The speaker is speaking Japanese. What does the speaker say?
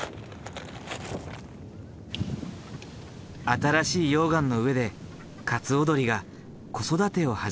新しい溶岩の上でカツオドリが子育てを始めている。